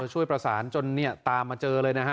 ช่วยประสานจนตามมาเจอเลยนะฮะ